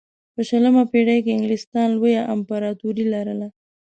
په شلمه پېړۍ کې انګلستان لویه امپراتوري لرله.